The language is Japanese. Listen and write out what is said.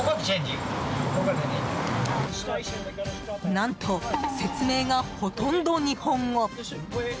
何と説明が、ほとんど日本語。